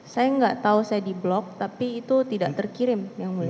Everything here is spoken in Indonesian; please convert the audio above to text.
saya nggak tahu saya di blok tapi itu tidak terkirim yang mulia